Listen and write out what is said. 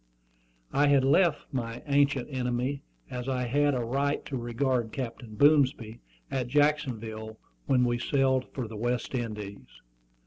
I had left my "ancient enemy," as I had a right to regard Captain Boomsby, at Jacksonville when we sailed for the West Indies.